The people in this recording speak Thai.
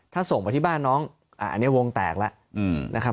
ถ้าส่งไปที่บ้านน้องอันนี้วงแตกแล้วนะครับ